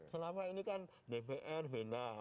selama ini kan bpr benar